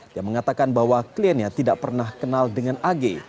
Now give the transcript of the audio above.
yang mengatakan bahwa kliennya tidak pernah kenal dengan ag